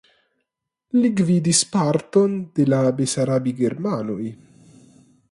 Li gvidis parton de la besarabigermanoj.